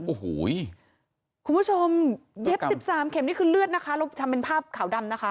โอ้โหคุณผู้ชมเย็บสิบสามเข็มนี่คือเลือดนะคะเราทำเป็นภาพขาวดำนะคะ